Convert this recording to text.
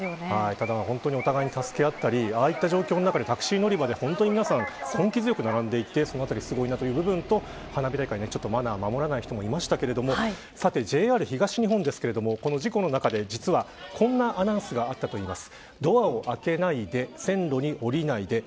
ただ、ほんとにお互い助け合ったりああいった状況でタクシー乗り場で、皆さん根気強く並んでいてすごいなという部分と花火大会ではマナーを守らない人もいましたがさてＪＲ東日本ですがこの事故の中でこんなアナウンスがあったといいます。